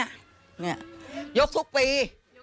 ยกทุกปี